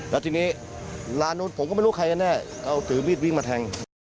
แล้วทีนี้ร้านนู้นผมก็ไม่รู้ใครกันแน่เขาถือมีดวิ่งมาแทง